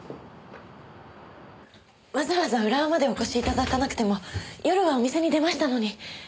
わざわざ浦和までお越し頂かなくても夜はお店に出ましたのに。